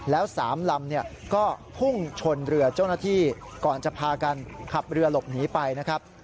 แล้ว๓ลำเนี่ยก็พุ่งชนเรือเจ้าหน้าที่ก่อนจะพากันขับเรือหลบหนีไปนะครับ